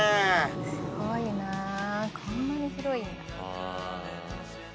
すごいなこんなに広いんだ。